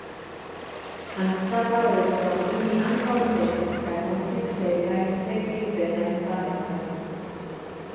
Anstataŭ respondi mi ankaŭ ridetis kaj montris kelkajn sekvinberajn panetojn.